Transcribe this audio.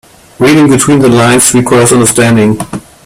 Reading between the lines requires understanding.